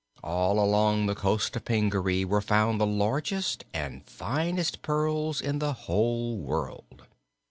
All along the coast of Pingaree were found the largest and finest pearls in the whole world.